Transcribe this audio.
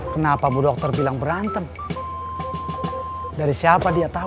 kenapa bu dokter bilang berantem dari siapa dia tahu